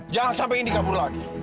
jangan sampai ini kabur lagi